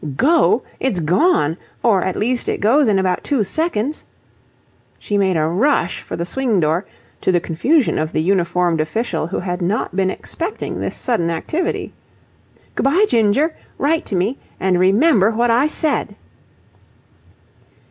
"Go! It's gone! Or, at least, it goes in about two seconds." She made a rush for the swing door, to the confusion of the uniformed official who had not been expecting this sudden activity. "Good bye, Ginger. Write to me, and remember what I said."